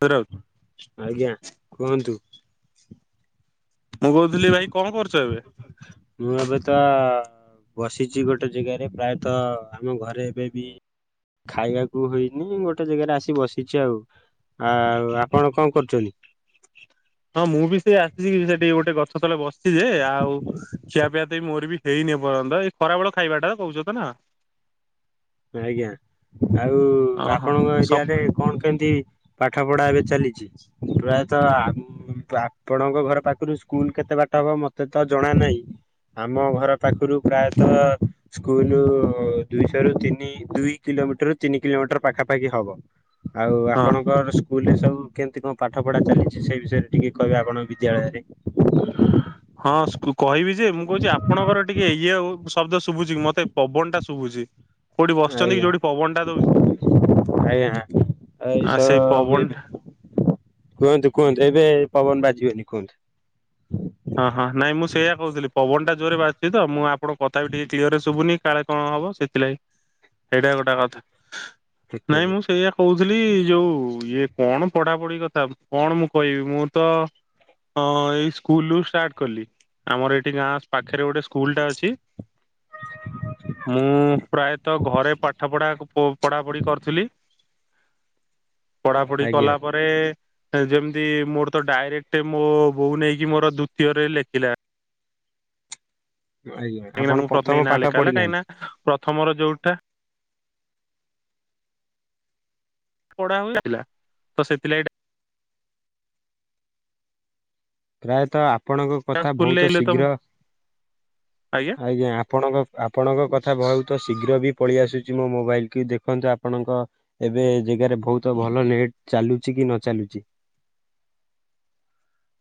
ର [inaudible] ଆଜ୍ଞା କୁହନ୍ତୁ। ମୁଁ କହୁଥିଲି ଭାଇ କଣ କରୁଛ ଏବେ? ମୁଁ ଏବେ ତ ବସିଛି ଗୋଟେ ଜାଗାରେ, ପ୍ରାୟତଃ ଆମ ଘରେ ଏବେ ବି ଖାଇବାକୁ ହେଇନି, ଗୋଟେ ଜାଗାରେ ଆସି ବସିଛି ଆଉ। ଆଉ ଆପଣ କଣ କରୁଛନ୍ତି? ହଁ ମୁଁ ବି ସେଇ ଆସିଛି। ସେଠି ଗୋଟେ ଗଛ ତଳେ ବସିଛି ଯେ ଆଉ ଖିଆ ପିଆ ତ ବି ମୋର ବି ହେଇନି ଏ ପର୍ଯ୍ୟନ୍ତ, ଏଇ ଖରାବେେଳ ଖାଇବାଟା ତ କହୁଛ ତ ନା। ଆଜ୍ଞା ଆଉ ଓହୋ। ଆପଣଙ୍କ ସ ଏରିଆରେ କଣ କେମିତି ପାଠ ପଢା ଏବେ ଚାଲିଛି। ପ୍ରାୟତଃ ଆମ୍ ଆପଣଙ୍କ ଘର ପାଖରୁ ସ୍କୁଲ କେତେ ବାଟ ହବ ମତେ ତ ଜଣା ନାହିଁ ଆମ ଘର ପାଖରୁ ପ୍ରାୟତଃ ସ୍କୁଲ ଦୁଇଶହ ରୁ ତିନି ନି ଦୁଇ କିଲୋମିଟର ତିନି କିଲୋମିଟର ପାଖାପାଖି ହବ। ଆଉ ହଁ ଆପଣଙ୍କର ସ୍କୁ ସ୍କୁଲରେ ସବୁ କେମିତି କଣ ପାଠ ପଢ଼ା ଚାଲିଛି। ସେ ବିଷୟରେ ଟିକେ କହିବା ଆପଣ ବିଦ୍ୟାଳୟରେ। ହଁ ସ୍କୁ କହିବି ଯେ, ମୁଁ କହୁଛି ଆପଣଙ୍କର ଟିକେ ଇଏ ହଉ ଶୁ ଶବ୍ଦ ଶୁଭୁଛି କି ମତେ ପବନ ଟା ଶୁଭୁଛି। କୋଉଠି ବସିଛନ୍ତି କି ଆଜ୍ଞା ଯୋଉଠି ପବନ ଟା ଦଉଛି। ଆଜ୍ଞା ଆ ଏଇସ ସେଇ ମୁଁ ପବନ ଏବେ ଟା କୁହନ୍ତୁ କୁହନ୍ତୁ, ଏବେ ପବନ ବାଜିବନି କୁହନ୍ତୁ। ହଁ ହଁ ନାଇଁ ମୁଁ ସେଇୟା କହୁଥିଲି। ପବନ ଟା ଜୋରରେ ବାଜୁଛି ତ, ମୁଁ ଆଣଙ୍କ କଥା ବି ଟିକେ କ୍ଲିୟରରେ ଶୁଭୁନି କାଳେ କଣ ହବ ସେ ଥିଲାଗି, ସେଇଟା ଗୋଟେ କଥା ନାଇଁ ମୁଁ ସେଇଆ କହୁଥିଲି ଯୋଉ ଇଏ କଣ ପଢାପଢି କଥା। କଣ ମୁଁ କହିବି ମୁଁ ତ ହଁ ଏଇ ସ୍କୁଲରୁ ଷ୍ଟାର୍ଟ କଲି। ଆମର ଏଠି ଗାଁ ପାଖରେ ଗୋଟେ ସ୍କୁଲ ଟା ଅଛି। ମୁଁ ପ୍ରାୟତଃ ଘରେ ପାଠ ପଢା ପଢାପଢି କରିଥିଲି। ପଢାପଢି ଆଜ୍ଞା କଲା ପରେ, ଯେମିତି ମୋର ତ ଡାଇରେକ୍ଟ ମୋ ବୋଉ ନେଇକି କି ମୋର ଦୂତୀୟରେ ଲେଖିଲା। ଆଜ୍ଞା କାହିଁକିନା ଆପଣ ମୁଁ ପ୍ରଥମ ପ୍ରନେ ନାଁ ପାଠ ଲେଖା ହେଲା। କାହିଁକି ପଢିନାହାନ୍ତି। ନା ପ୍ରଥମରୁ ଯୋଉଟା ପା [unintelligible] ସେଥିଲାଗି ପ୍ରାୟତଃ ଆପଣଙ୍କ କଥା ସ୍କୁଲ ବହୁତ ଶୀଘ୍ର ଆଜ୍ଞା ଆପଣଙ୍କ ଆପଣଙ୍କ କଥା ବହୁତ ଶୀଘ୍ର ବି ପଳେଇ ଆସୁଛି ମୋ ମୋବାଇଲ କି ଦେଖନ୍ତୁ ଆପଣଙ୍କ ଏବେ ଜେଗାରେ ବହୁତ ଭଲ ନେଟ ଚାଲୁଛି କି ନ ଚାଲୁଛି।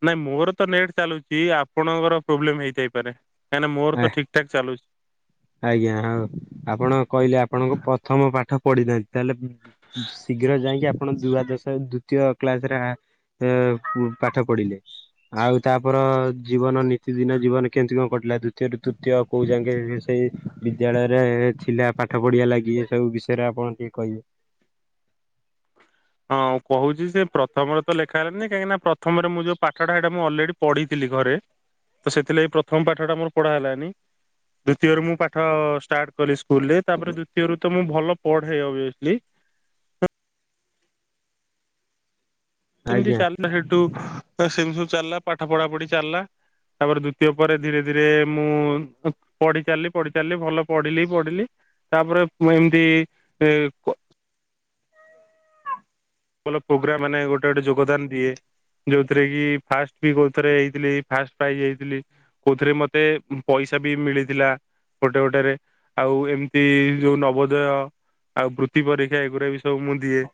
ନାଇଁ ମୋର ତ ନେଟ୍ ଚାଲୁଛି, ଆପଣଙ୍କର ପ୍ରୋବ୍ଲେମ ହେଇଥାଇପାରେ। କାହିଙ୍କିନା ମୋର ତ ଠିକ ଠାକ ଚାଲୁଛି। ଆଜ୍ଞା ହଉ ଆପଣ କହିଲେ ଆପଣଙ୍କ ପ୍ରଥମ ପାଠ ପଢିନାହାଁନ୍ତି। ତାହେଲେ ପୁ ପୁ ଶୀଘ୍ର ଯାଇକି ଆପଣ ଦୁଆଦଶ ଦୂ ଦୂତୀୟ କ୍ଲାସରେ ଆଁ ଏ ପାଠ ପଢିଲେ ଆଉ ତାପର ଜୀବନ ନିତିଦିନ ଜୀବନ କେମିତି କଣ କଟିଲା। ଦ୍ୱତୀୟରୁ ତୃତୀୟ କେଉଁ ଯାକେ ସେଇ ବିଦ୍ୟାଳୟରେ ଏ ଥିଲା ପାଠ ପଢିବା ଲାଗି ଏ ସବୁ ବିଷୟରେ ଆପଣ ଟିକେ କହିବେ? ହଁ କହୁଛି ସେ ପ୍ରଥମରେ ତ ଲେଖା ହେଲାନି। କାହିଁକିନା ପ୍ରଥମରେ ମୁଁ ଯୋଉ ପାଠଟା ସେଇଟା ମୁଁ ଅଲରେଡି ପଢିଥିଲି ଘରେ ତ ସେଥିଲାଗି ପ୍ରଥମ ପାଠ ଟା ମୋର ପଢା ହେଲାନି। ଦ୍ଵିତୀୟରୁ ମୁଁ ପାଠ ଷ୍ଟାର୍ଟ କଲି ସ୍କୁଲରେ। ତାପରେ ଦ୍ଵିତୀୟରୁ ତ ମୁଁ ଭଲ ପଢେ ଅବେସଲି। ସେମିତି ଆଜ୍ଞା ଚାଲିଲା ସେଇଠୁ ସେମିତି ସବୁ ଚାଲିଲା ପାଠ ପଢା ପଢି ଚାଲିଲା। ତାପରେ ଦ୍ଵିତୀୟ ପରେ ଧୀରେ ଧୀରେ ମୁଁ ପଢିଚାଲିଲି ପଢି ଚାଲିଲି ଭଲ ପଢିଲି ପଢିଲି ତାପରେ ଏମିତି ଇ ଭଲ ପ୍ରୋଗ୍ରା ମାନେ ଗୋଟେ ଗୋଟେ ଯୋଗଦାନ ଦିଏ। ଯୋଉଥିରେ କି ଫାଷ୍ଟ ବି କୋଉ ଥରେ ହେଇଥିଲି, ଫାଷ୍ଟ ପ୍ରାଇଜ ହେଇଥିଲି। କଉଥିରେ ମତେ ପଇସା ବି ମିଳିଥିଲା। ଗୋଟେ ଗୋଟେରେ ଆଉ ଏମିତି ଯୋଉ ନବୋଦୟ ଆଉ ବୃତ୍ତି ପରୀକ୍ଷା ଏଗୁରାବି ସବୁ ମୁଁ ଦିଏ।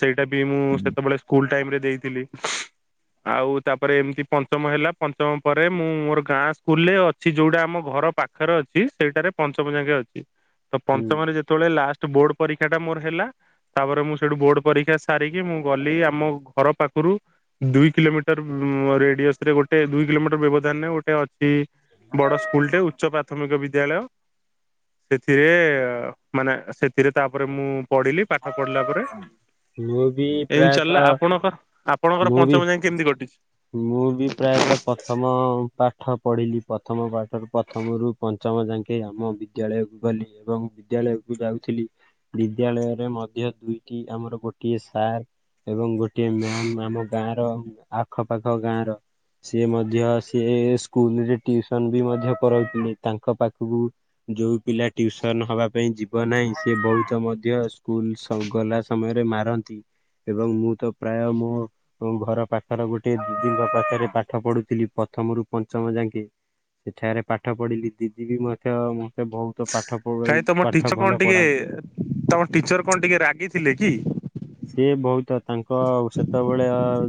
ସେଇଟା ବି ମୁଁ ସେତେବେଳେ ସ୍କୁଲ ଟାଇମରେ ଦେଇଥିଲି। ଆଉ ତାପରେ ଏମିତି ପଞ୍ଚମ ହେଲା ପଞ୍ଚମ ପରେ ମୁଁ ମୋର ଗାଁ ସ୍କୁଲରେ ଅଛି ଯୋଉଟା ଆମ ଘର ପାଖ ପାଖରେ ଅଛି ସେଇଟାରେ ପଞ୍ଚମ ଜାକେ ଅଛି। ତ ହୁଁ ପଞ୍ଚମରେ ଯେତେବେଳେ ଲାଷ୍ଟ ବୋର୍ଡ ପରୀକ୍ଷା ଟା ମୋର ହେଲା ତାପରେ ମୁଁ ସେଠୁ ବୋର୍ଡ ପରୀକ୍ଷା ସାରିକି ମୁଁ ଗଲି ଆମ ଘର ପାଖରୁ ଦୁଇ କିଲୋମିଟର ଉ ରେଡିଅସ ରେ ଗୋଟେ ଦୁଇ କିଲୋମିଟର ବ୍ୟବଧାନରେ ଗୋଟେ ଅଛି ବଡ଼ ସ୍କୁଲଟେ ଉଚ୍ଚ ପ୍ରାଥମିକ ବିଦ୍ୟାଳୟ ସେଥିରେ ମାନେ ସେଥିରେ ତାପରେ ମୁଁ ପଢିଲି ପାଠ ପଢିଲା ପରେ ମୁଁ ବି ଏମିତି ଚାଲିଲା ପ୍ରାୟତଃ ଆପଣଙ୍କ ଆପଣଙ୍କର ମୁଁ ପଞ୍ଚମ ବି ଯାଏ କେମିତି କଟିଛି? ମୁଁ ବି ପ୍ରାୟତଃ ପ୍ରଥମ ପାଠ ପଢିଲି ପ୍ରଥମ ପାଠ ତ ପ୍ରଥମରୁୁ ପଞ୍ଚମ ଯାକେ ଆମ ବିଦ୍ୟାଳୟକୁ ଗଲି ଏବଂ ବିଦ୍ୟାଳୟକୁ ଯାଉଥିଲି। ବିଦ୍ୟାଳୟରେ ମଧ୍ୟ ଦୁଇଟି ଆମର ଗୋଟିଏ ସାର୍ ଏବଂ ଗୋଟିଏ ମ୍ୟାମ ଆମ ଗାଁ ର ଆଖପାଖ ଗାଁ ର ସିଏ ମଧ୍ୟ ସିଏ ସ୍କୁଲରେ ଟିଉସନ ବି ମଧ୍ୟ କରନ୍ତି ତାଙ୍କ ପାଖକୁ ଯୋଉ ପିଲା ଟିଉସନ ହବା ପାଇଁ ଯିବ ନାହିଁ ସେ ବହୁତ ମଧ୍ୟ ସ୍କୁଲ ସ ଗଲା ସମୟରେ ମାରନ୍ତି ଏବଂ ମୁଁ ତ ପ୍ରାୟ ମୋ ଓ ଘର ପାଖର ଗୋଟେ ଦିଦିଙ୍କ ପାଖରେ ପାଠ ପଢୁଥିଲି ପ୍ରଥମରୁ ପଞ୍ଚମ ଯାକେ ସେଠାରେ ପାଠ ପଢ଼ିଲି ଦିଦି ବି ମଧ୍ୟ ମୋତେ ବହୁତ ପାଠ ପଢ଼ କାହିଁ ତମ ପାଠ ଟିଚର କଣ ଭଲ ଟିକେ ପଢ଼ାନ୍ତି। ତମ ଟିଚର କଣ ଟିକେ ରାଗି ଥିଲେ କି? ସେ ବହୁତ ତାଙ୍କ ସେତେବେଳେ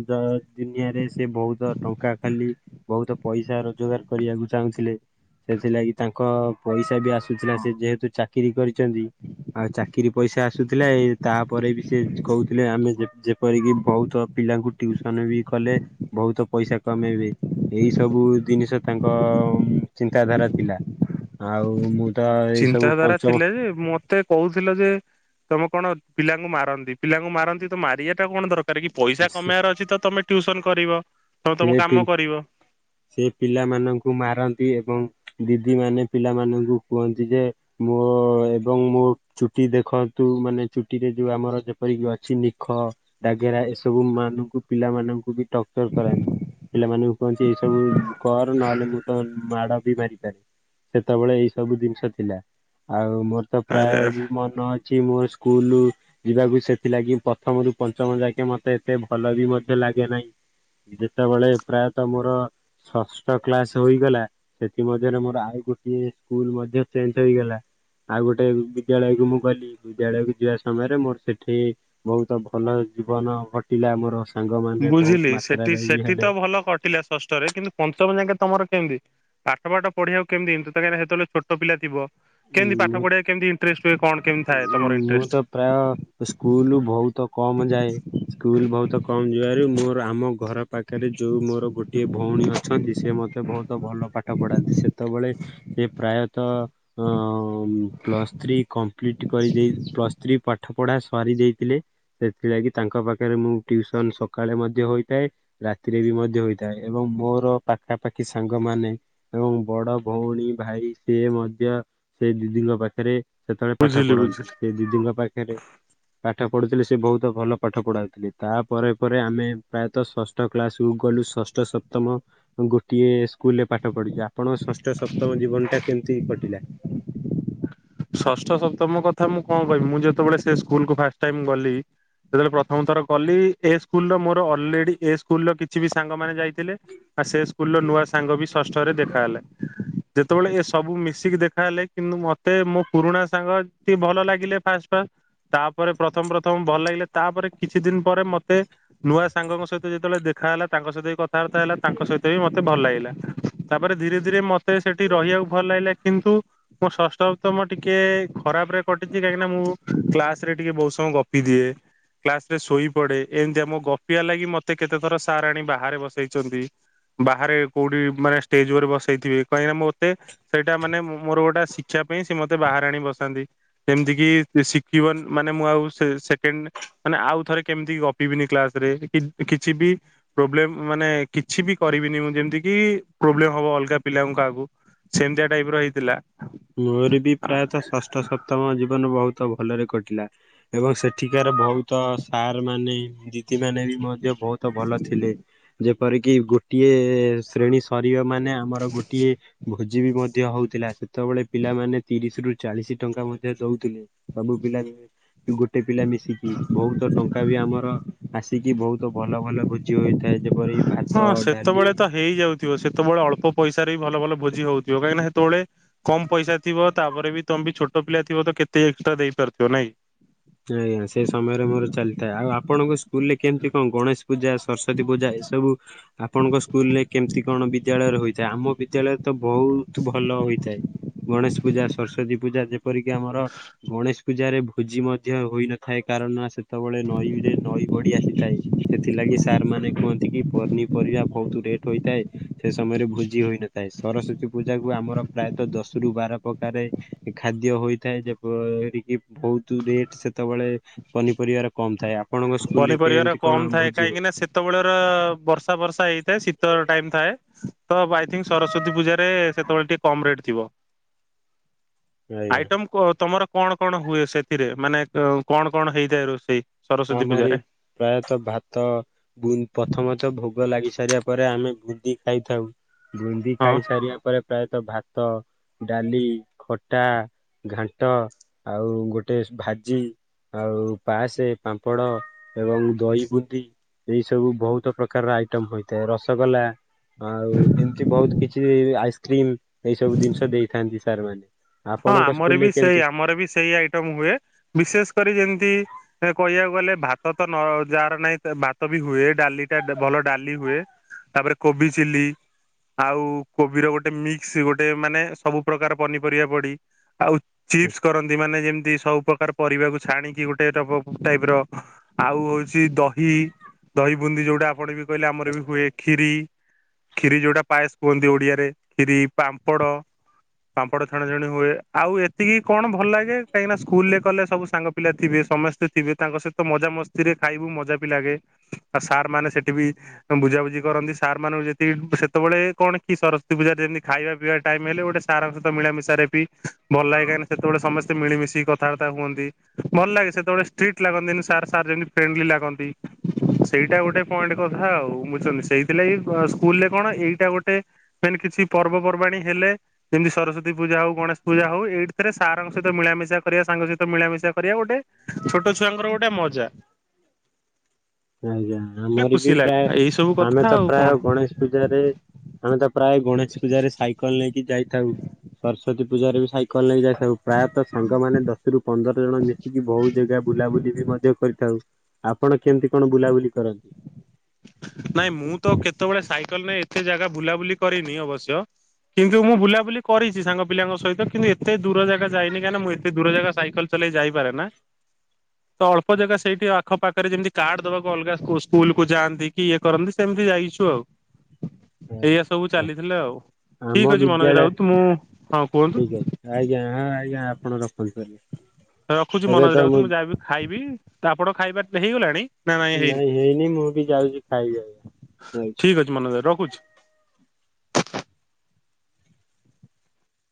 ଦ ଦୁନିଆରେ ସେ ବହୁତ ଟଙ୍କା ଖାଲି ବହୁତ ପଇସା ରୋଜଗାର କରିବାକୁ ଚାହୁଁଥିଲେ। ସେଥିଲାଗି ତାଙ୍କ ପଇସା ବି ଆସୁଥିଲା ସେ ଯେହେତୁ ଚାକିରୀ କରିଚନ୍ତି। ଆଉ ଚାକିରି ପଇସା ଆସୁଥିଲା ଏଇ ତା ପରେ ବି ସେ କହୁଥିଲେ ଆମେ ଯେ ଯେପରିକି ବହୁତ ପିଲାଙ୍କୁ ଟିଉସନ ବି କଲେ। ବହୁତ ପଇସା କମେଇବେ। ଏଇ ସବୁ ଜିନିଷ ତାଙ୍କ ଉମ୍ ଚିନ୍ତାଧାରା ଥିଲା ଆଉ ମୁଁ ତ ଏଇ ସବୁ ଚିନ୍ତାଧାରା ପଞ୍ଚମ ଥିଲା ଯେ ମତେ କହୁଥିଲ ଯେ ତମେ କଣ ପିଲାଙ୍କୁ ମାରନ୍ତି ପିଲାଙ୍କୁ ମାରନ୍ତି ତ ମାରିବା ଟା କଣ ଦର ରେ କି ପଇସା ସେ କମେଇଆର ଅଛି ତ ତମେ ଟ୍ୟୁସନ କରିବ। ତମେ ତମ ସିଏ ପି କାମ କରିବ ସିଏ ପିଲାମାନଙ୍କୁ ମାରନ୍ତି ଏବଂ ଦିଦିମାନେ ପିଲାମାନଙ୍କୁ କୁହନ୍ତି ଯେ ମୋ ଏବଂ ମୋ ଚୁଟି ଦେଖନ୍ତୁ ମାନେ ଚୁଟିରେ ଯୋଉ ଆମର ଯେପରିକି ଅଛି ନିଖ। ଡ଼ାଗେରା ଏସବୁ ମାନଙ୍କୁ ପିଲାମାନଙ୍କୁ ବି ଟକ୍ଟର କରାନ୍ତି ପିଲାମାନଙ୍କୁ କହନ୍ତି ଏଇ ସବୁ କର ନହେଲେ ମୁଁ ତ ମାଡ଼ ବି ମାରିପାରେ। ସେତେବେଳେ ଏଇ ସବୁ ଜିନିଷ ଥିଲା ଆଉ ମୋର ତ ଆରେ ପ୍ରାୟ ବି ମନ ଅ ଛି ମୋ ସ୍କୁଲୁ ଯିବାକୁ ସେଥିଲାଗି ପ୍ରଥମରୁୁ ପଞ୍ଚମ ଯାକେ ମତେ ଏତେ ଭଲ ବି ମଧ୍ୟ ଲାଗେ ନାହିଁ। ଯେତେବେଳେ ପ୍ରାୟତଃ ମୋର ଷଷ୍ଠ କ୍ଲାସ ହୋଇଗଲା ସେଥି ମଧ୍ୟରେ ମୋର ଆଉ ଗୋଟିଏ ସ୍କୁଲ ମଧ୍ୟ ଚେଞ୍ଜ ହେଇଗଲା। ଆଉ ଗୋଟେ ବିଦ୍ୟାଳୟକୁ ମୁଁ ଗଲି। ବିଦ୍ୟାଳୟକୁ ଯିବା ସମୟରେ ମୋର ସେଠି ବହୁତ ଭଲ ଜୀବନ କଟିଲା ମୋର। ସାଙ୍ଗମାନେ ବହୁତ ମା ଟି ସେଠି ତ ଭଲ କଟିଲା ଷଷ୍ଠରେ କିନ୍ତୁ ପଞ୍ଚମ ଯାଙ୍କେ ତମର କେମିତି? ପାଠ ପାଠ ପଢ଼ିବାକୁ କେମତି ତ ତ କାହିଁକିନା ହେତେବେ ଛୋଟ ପିଲ ଥିବ? କେମିତି ଉଁ ପାଠ ପଢ଼ିଆ କେମତି ଇନ୍ତ୍ରେଷ୍ଟ ହୁଏ କଣ କେମିତି ଥାଏ ତମର ମୁଁ ଇନ୍ତ୍ରେଷ୍ଟ? ତ ପ୍ରାୟ ସ୍କୁଲୁ ବହୁ ତ କମ ଯାଏ ସ୍କୁଲ ବହୁତ କମ ଯିବାରୁ ମୋର ଆମ ଘର ପାଖରେ ଯୋଉ ମୋର ଗୋଟିଏ ଭଉଣୀ ଅଛନ୍ତି ସେ ମୋତେ ବହୁତ ଭଲ ପାଠ ପଢ଼ାନ୍ତି ସେତେବେଳେ ସିଏ ପ୍ରାୟତଃ ତ ଅଁ ପ୍ଲସଥ୍ରୀ କପ୍ଲିଟ କରିଦେଇ ପ୍ଲସଥ୍ରୀ ପାଠ ପଢ଼ା ସରିି ଦେଇଥିଲେ ସେଥିଲାଗି ତାଙ୍କ ପାଖରେ ମୁଁ ଟ୍ୟୁସନ ସକାଳେ ମଧ୍ୟ ହୋଇଥାଏ। ରାତିରେ ବି ମଧ୍ୟ ହୋଇଥାଏ ଏବଂ ମୋର ପାଖାପାଖି ସାଙ୍ଗମାନେ ଏବଂ ବଡ଼ ଭଉଣୀ ଭାଇ ସିଏ ମଧ୍ୟ ସେ ଦିଦିଙ୍କ ପାଖରେ ସେତେବେଳେ ପାଠ ବୁଝିଲି ବୁଝିଲି। ପଢ଼ନ୍ତି ସେ ଦିଦିଙ୍କ ପାଖେରେ। ପାଠ ପଢ଼ୁଥିଲେ ସେ ବହୁତ ଭଲ ପାଠ ପଢ଼ାଉଥିଲେ ତାପରେ ପରେ ଆମେ ପ୍ରାୟତଃ ଷଷ୍ ଟ କ୍ଳାସକୁୁ ଗଲୁ ଷଷ୍ଠ ସପ୍ତମ ଗୋଟିଏ ସ୍କୁଲରେ ପାଠ ପଢ଼ିଚା ଆପଣ ଷଷ୍ଠ ସପ୍ତମ ଜୀବନଟା କେମିତି କଟିଲା? ଷଷ୍ଠ ସପ୍ତମ କଥା ମୁଁ କଣ କହିବି ମୁଁ ଯେତେବେଳେ ସେ ସ୍କୁଲକୁ ଫାଷ୍ଟ ଟାଇମ୍ ଗଲି ଯେତେବେଳେ ପ୍ରଥମ ଥର ଗଲି ଏ ସ୍କୁଲର ମୋର ଅଲରେଡ଼ି ଏ ସ୍କୁଲର କିଛି ବି ସାଙ୍ଗମାନେ ଯାଇଥିଲେ। ଆ ସେ ସ୍କୁଲ ର ନୂଆ ସାଙ୍ଗ ବି ଷଷ୍ଠରେ ଦେଖା ହେଲା ଯେତେବେଳେ ଏ ସବୁ ମିଶିକି ଦେଖାହେଲେ କିନ୍ତୁ ମତେ ମୋ ପୁରୁଣା ସାଙ୍ଗ ଟି ଭଲ ଲାଗିଲେ ଫାଷ୍ଟେ ଫାଷ୍। ତାପରେ ପ୍ରଥମ ପ୍ରଥମ ଭଲ ଲାଗିଲେ ତାପରେ କିଛି ଦିନ ପରେ ମତେ ନୂଆ ସାଙ୍ଗଙ୍କ ସହିତ ଯେତେବେଳେ ଦେଖାହେଲା ତାଙ୍କ ସହିତ ବି କଥାବାର୍ତ୍ତା ହେଲା ତାଙ୍କ ସହିତ ବି ମତେ ଭଲ ଲାଗିଲା। ତାପରେ ଧୀରେ ଧୀରେ ମତେ ସେଠି ରହିବାକୁ ଭଲ ଲାଗିଲା କିନ୍ତୁ ମୁଁ ଷଷ୍ଠ ତମ ଟିକେ ଖରାପ ରେ କଟିଛି କାହିଁକିନା ମୁଁ କ୍ଲାସରେ ଟିକେ ବହୁତ ସମୟ ଗପି ଦିଏ। କ୍ଲାସ ରେ ଶୋଇପଡ଼େ ଏମିତିଆ ମୋ ଗପିଆ ଲାଗି ମତେ କେତେ ଥର ସାର୍ ଆଣି ବାହାରେ ବସେଇଛନ୍ତି। ବାହାରେ କୋଉଠି ମାନେ ଷ୍ଟେଜ ଉପରେ ବସେଇଥିବେ କାହିଁକିନା ମୋତେ ସେଇଟା ମାନେ ମୋର ଗୋଟେ ଶିକ୍ଷା ପାଇଁ ସେ ମତେ ବାହାରେ ଆଣି ବସାନ୍ତି। ସେମିତିକି ଶିଖିବ ମାନେ ମୁଁ ଆଉ ସେ ସେକେଣ୍ଡ ମାନେ ଆଉ ଥରେ କେମିତି ଗପିବିନି କ୍ଲାସରେ କି କିଛି ବି ପ୍ରୋବ୍ଲେମ ମାନେ କିଛି ବି କରିବିନି ମୁଁ ଯେମିତି କି ପ୍ରୋବ୍ଲେମ ହବ ଅଲଗା ପିଲାଙ୍କୁ କାହାକୁ। ସେମିତିଆ ଟାଇପ ର ହେଇଥିଲା। ମୋର ବି ପ୍ରାୟତଃ ଷଷ୍ଠ ସପ୍ତମ ଜୀବନ ବହୁତ। ତ ଭଲରେ କଟିଲା ଏବଂ ସେଠିକାର ବହୁତ ସାର୍ ମାନେ। ଦି ମାନେ ବି ମଧ୍ୟ ବହୁତ ଭଲ ଥିଲେ ଯେପରିକି ଗୋଟିଏ ଶ୍ରେଣୀ। ଅରିଓ ମାନେ ଆମର ଗୋଟିଏ ଭୋଜି ବି ମଧ୍ୟ ହଉଥିଲା। ସେତେବେଳେ ପିଲାମାନେ ତିରିଶ ରୁ ଚାଳିଶ ଟଙ୍କା ମଧ୍ୟ ଦଉଥିଲେ ସବୁ ପିଲା ଗୋଟେ ପିଲା ମିଶି ଶିକି ବହୁତ ଟଙ୍କା ବି ଆମର ଆସିକି ବହୁତ ଭଲ ଭଲ ଭୋଜି ହୋଇଥାଏ ଯେପରି। ହଁ ଭାତ ଡାଲି। ସେତେବେଳେ ତ ହେଇଯାଉଥିବ ସେତେବେଳେ ଅଳପ ପଇସାରେ ବି ଭଲ ଭଲ ଭୋଜି ହଉଥିବ କାହିଁକିନା ସେତେବେଳେ। କମ ପଇସା ଥିବ ତାପରେ ବି ତମେ ବି ଛୋଟ ପିଲା ଥିବ ତ କେତେ ଏକ୍ସଟ୍ରା ଦେଇପାରୁଥିବ ନାହିଁକି। ଆଜ୍ଞା ସେ ସମୟରେ ମୋର ଚାଲିଥାଏ ଆଉ ଆପଣଙ୍କ ସ୍କୁଲ ରେ କେମିତି କଣ ଗଣେଶ। ପୂଜା ସରସ୍ଵତୀ ପୂଜା ଏସବୁ ଆପଣଙ୍କ ସ୍କୁଲ ରେ କେମିତି କଣ ବିଦ୍ୟାଳୟରେ ହୋଇଥାଏ ଆମ ବିଦ୍ୟାଳୟ। ତ ବହୁତ ଭଲ ହୋଇଥାଏ। ଗଣେଶ ପୂଜା ସରସ୍ଵତୀ ପୂଜା ଯେପରିକି ଆମର ଗଣେଶ ପୂଜାରେ ଭୋଜି ମଧ୍ୟ ହୋଇନଥାଏ କାରଣ ସେତେବେଳେ ନଈରେ ନଈ ବଢ଼ି ଆସିଥାଏ। ସେଥିଲାଗି ସାର୍ ମାନେ କୁହନ୍ତି କି ପନିପରିବା ବହୁତ ରେଟ୍ ହୋଇଥାଏ। ସେ ସମୟରେ ଭୋଜି ହୋଇନଥାଏ ସରସ୍ଵତୀ ପୂଜା କୁ ଆମର ପ୍ରାୟତଃ ଦଶ ରୁ ବାର ପ୍ରକାରେ। ଖାଦ୍ୟ ହୋଇଥାଏ ଯେପରିକି ବହୁତ ରେ ଟ୍ ସେତେବେଳେ ପନିପରିବାର କମ ଥାଏ। ଆପଣଙ୍କ ସ୍କୁଲରେ ପନିପରିବା ର କେମିତି କମ କଣ ଥାଏ ଭୋଜି ହୁଏ? କାହିଁକି ନା ସେ ସେତେବେଳେର ବର୍ଷା ବର୍ଷା ହେଇଥାଏ ଶୀତ ଟାଇମ ଥାଏ। ତ ହବ ଆଇଥିଙ୍କି ସରସ୍ଵତୀ ପୂଜାରେ ସେତେବେଳେ ଟିକେ କମ ରେଟ୍ ଥିବ। ଆଜ୍ଞା। ଆଇଟମ କୁହ ତମର କଣ କଣ ହୁଏ ସେଥିରେ ମାନେ କଣ କଣ ହେଇଥାଏ ରୋଷେଇ। ସରସ୍ଵତୀ ଆମରି ପୂଜାରେ ପ୍ରାୟତଃ ଭାତ। ପ୍ରଥମତଃ ଭୋଗ ଲାଗି ସାରିବା ପରେ ଆମେ ବୁନ୍ଦି ଖାଇଥାଉ। ବୁନ୍ଦି ହଁ ଖାଇ ସାରିବା ପରେ ପ୍ରାୟତଃ ଭାତ। ଡାଲି ଖଟା ଘାଣ୍ଟ ଆଉ ଗୋଟେ ସ ଭାଜି। ଆଉ ପାସେ ପାମ୍ପଡ଼ ଆଉ ଦହି ବୁନ୍ଦି। ଏଇ ସବୁ ବହୁତ ପ୍ରକାରର ଆଇଟମ ହୋଇଥାଏ ରସଗୋଲା। ଆଉ ଏମିତି ବହୁତ କିଛି ବି ଆଇସ୍କ୍ରିମ ଏଇ ସବୁ ଜିନିଷ ଦେଇଥାନ୍ତି ସାର୍ ମାନେ। ହଁ ଆପଣଙ୍କ ଆମର ସ୍କୁଲରେ ବି ସେଇ କେମିତି ଆମର ବି ସେଇ ଆଇଟମ ହୁଏ ବିଶେଷ କରି ଯେମିତି। କହିବାକୁ ଗଲେ ଭାତ ତ ନ ଯାହାର ନାହିଁ ଭାତ ବି ହୁଏ ଡାଲି ଟା ଭଲ ଡାଲି ହୁଏ। ତାପରେ କୋବି ଚିଲ୍ଲି। ଆଉ କୋବିର ଗୋଟେ ମିକ୍ସ ଗୋଟେ ମାନେ ସବୁ ପ୍ରକାର ପନିପରିବା। ପଡ଼ି ଆଉ ଚିପ୍ସ କରନ୍ତି ମାନେ ଯେମିତି ସବୁ ପ୍ରକାର। ପରିବାକୁ ଛାଣିକି ଗୋଟେ ଟ ଟାଇପ ର ଆଉ ହଉଛି ଦହି। ଦହି ବୁନ୍ଦି ଯୋଉଟା ଆପଣ ବି କହିଲେ ଆମର ବି ହୁଏ ଖିରି। ଖିରି ଯୋଉଟା ପାଏସ କୁହନ୍ତି ଓଡିଆରେ କ୍ଷୀରି ପାମ୍ପଡ ପାମ୍ପଡ। ଛତା ଛତି ହୁଏ ଆଉ ଏତିକି କଣ ଭଲ ଲାଗେ କାହିଁକିନା ସ୍କୁଲ ରେ କଲେ ସବୁ ସାଙ୍ଗ ପିଲା ଥିବେ ସମସ୍ତେ ଥିବେ ତାଙ୍କ ସହିତ। ତ ମଜା ମସ୍ତି ରେ ଖାଇବୁ ମଜା ବି ଲାଗେ ଆଉ ସାର୍ ମାନେ ସେଠି ବି। ବୁଝାବୁଝି କରନ୍ତି ସାର୍ ମାନଙ୍କୁ ଯତିିକି ସେ ତେବେଳେ କଣ କି ସରସ୍ଵତୀ ପୂଜାରେ ଯେମିତି ଖାଇବା ପିଇବା। ଟାଇମ ହେଲେ ଗୋଟେ ସାରା ଙ୍କ ସହିତ। ତ ମିଳାମିଶାରେ ବି ଭଲ ଲାଗେ କାହିଁକି ନା ସେତେବେଳେ ସମସ୍ତେ ମିଳିମିଶି କଥାବାର୍ତା ହୁଅନ୍ତି। ଭଲ ଲାଗେ ସେତେବେଳେ ଷ୍ଟ୍ରିଟ ଲାଗନ୍ତିନି ସାର୍ ସାର୍ ଯେମତି ଫ୍ରେଣ୍ଡଲି ଲାଗନ୍ତି। ସେଇଟା ଗୋଟେ ପଏଣ୍ଟ କଥା ଆଉ ବୁଝୁଛନ୍ତି ସେଇଥିଲାଗି ସ୍କୁଲରେ କଣ ଏଇଟା ଗୋଟେ। ମେନ କିଛି ପର୍ବପର୍ବାଣୀ ହେଲେ ଯେମିତି ସରସ୍ଵତୀ। ତି ପୂଜା ହଉ ଗଣେଶ ପୂଜା ହଉ ଏଇଠି ଥିରେ ସାରଙ୍କ ସହିତ ମିଳ ମିିଶା କରିବା ସାଙ୍ଗ ସହିତ ମିଳାମିଶା କରିବା ଗୋଟେ। ଛୋଟ ଛୁଆଙ୍କର ଗୋଟେ ମଜା। ଆଜ୍ଞା ଗୋଟେ ଆମର ବି ଖୁସି ପ୍ରାୟ ଲାଗେ ଏଇ ସବୁ ଆମେ କଥା ତ ଆଉ କଣ ପ୍ରାୟ ଗଣେଶ ପୂଜାରେ ଆମେ ତ। ପ୍ରାୟ ଗଣେଶ ପୂଜାରେ ସାଇକେଲ ନେଇକି ଯାଇଥାଉ ସରସ୍ଵତୀ ପୂଜାରେ ବି ସାଇକେଲ ନେଇ ଯାଇ ଥାଉ ପ୍ରାୟତଃ ସାଙ୍ଗମାନେ ଦଶରୁୁ ପନ୍ଦର ଜଣ ମିଶିକି ବହୁ ଜାଗା ବୁଲାବୁଲି ବି ମଧ୍ୟ କରିଥାଉ। ଆପଣ କେମିତି କଣ ବୁଲାବୁଲି କରନ୍ତି। ନାଇଁ ମୁଁ ତ କେତେବେଳେ ସାଇକେଲ ନାହି ଏତେ ଜାଗା ବୁଲାବୁଲି କରିନି ଅବଶ୍ୟ କିନ୍ତୁ ମୁଁ ବୁଲାବୁଲି କରିଛି ସାଙ୍ଗ ପିଲାଙ୍କ ସହିତ କିନ୍ତୁ ଏତେ ଦୂର ଜାଗା ଯାଇନି କାଁହିଁକି ନା ମୁଁ ଏତ ଦୂର ଜାଗା ସାଇକେଲ ଲରେ ଯାଇପାରେ ନା। ତ ଅଳ୍ପ ଜାଗା ସେଇଠି ଆଖପାଖରେ ଯେମିତି କାର୍ଡ ଦବାକୁ ଅଲଗା ଅ ସ୍କୁଲ କୁ ଯାଆନ୍ତି। କି ଇଏ କରନ୍ତି ସେମିତି ଯାଇଛୁ ଆଉ। ଏଇଆ ସବୁ ଚାଲିଥିଲେ ଆଉ ଆମ ଠିକ ଅଛି ମନୋଜ ବିଦ୍ୟାଳୟ ରାଉତ ମୁଁ ହଁ ଠିକ କୁହନ୍ତୁ। ଅଛି ଆଜ୍ଞା ଆଜ୍ଞା ଆପଣ ରଖନ୍ତୁ ଆଜ୍ଞା। ରଖୁଛି ମନୋଜ ରାଉତ ମୁଁ ଯାଇକି ଖାଇବି ତ ଆପଣ ଖାଇବା ହେଇଗଲାଣି। ନାଇଁ ହେଇନି ମୁଁ ବି ଯାଉଛି ଖାଇବାକୁ ଯାଉଛି। ମନଜ୍‌ ରଖୁଛି।